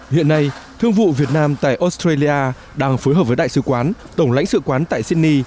hiện nay thương vụ việt nam tại australia đang phối hợp với đại sứ quán tổng lãnh sự quán tại sydney